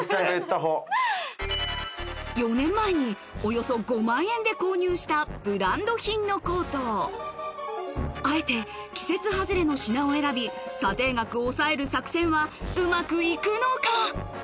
４年前におよそ５万円で購入したブランド品のコートあえて季節外れの品を選び査定額を抑える作戦はうまく行くのか？